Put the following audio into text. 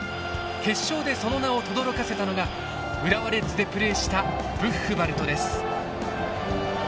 決勝でその名をとどろかせたのが浦和レッズでプレーしたブッフバルトです。